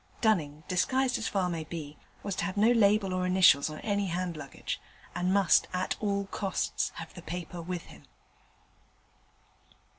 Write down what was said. Dunning, disguised as far as might be, was to have no label or initials on any hand luggage, and must at all costs have the paper with him.